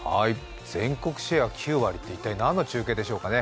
全国シェア９割って一体何の中継でしょうかね。